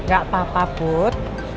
gak apa apa put